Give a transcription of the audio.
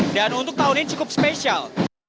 dan untuk tahun ini cukup spesial